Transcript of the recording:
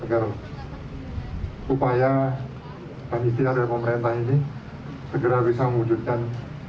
agar upaya dan ikhtiar dari pemerintah ini segera bisa mewujudkan